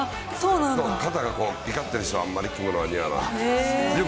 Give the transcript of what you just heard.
肩がいかってる人は、あんまり着物は似合わない。